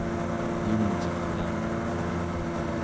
yungcarta